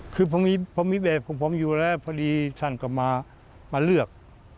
คือผมมีแบบของผมอยู่แล้วพอดีท่านก็มาเลือก